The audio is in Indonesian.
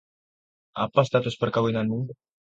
Apa status perkawinanmu?